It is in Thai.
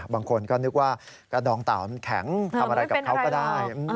บางคนก็นึกว่ากระดองเต่ามันแข็งทำอะไรกับเขาก็ได้